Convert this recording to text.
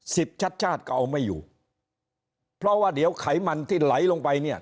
ชัดชาติก็เอาไม่อยู่เพราะว่าเดี๋ยวไขมันที่ไหลลงไปเนี่ย